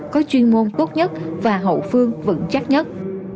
có chuyên môn tốt nhất và hậu phương vững chắc nhất